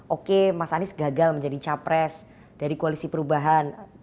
oke mas anies gagal menjadi capres dari koalisi perubahan